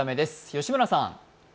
吉村さん。